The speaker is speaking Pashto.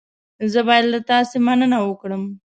زه باید له تاسې مننه وکړم.